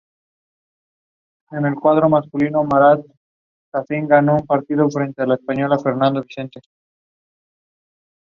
Es una planta anual, bienal o hierbas perennes, ramificadas, usualmente glabras excepto la silicua.